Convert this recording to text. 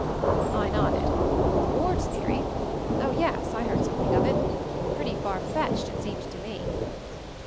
I nodded. "Ward's thory? Oh, yes; I heard something of it. Pretty far fetched, it seemed to me."